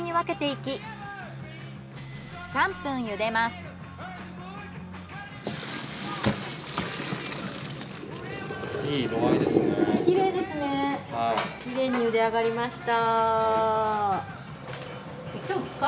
きれいに茹で上がりました。